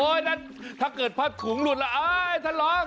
โอ้นั่นถ้าเกิดผักถุงหลุดละอ๊ายท่านรอง